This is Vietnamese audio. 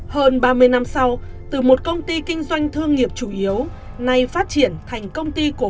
hơn ba mươi năm sau từ một công ty kinh doanh thương nghiệp chủ yếu nay phát triển thành công ty của